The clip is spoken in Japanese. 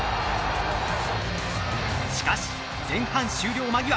しかし、前半終了間際。